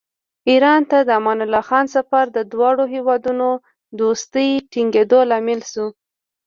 ایران ته د امان الله خان سفر د دواړو هېوادونو دوستۍ ټینګېدو لامل شو.